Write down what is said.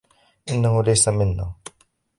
إنه ليس منّا.